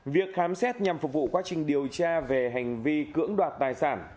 việc khám xét nhằm phục vụ quá trình điều tra về hành vi cưỡng đoạt tài sản